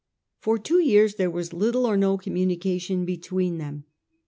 For two years there was little or no communication between them.